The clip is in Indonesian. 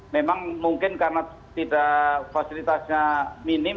memang mungkin karena tidak fasilitasnya minim